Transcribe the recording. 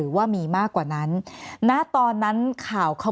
แอนตาซินเยลโรคกระเพาะอาหารท้องอืดจุกเสียดแสบร้อน